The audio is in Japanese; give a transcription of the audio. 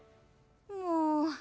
もう。